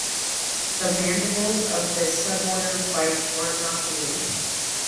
The mandibles of this suborder bite horizontally.